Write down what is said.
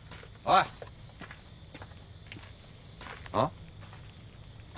あっ？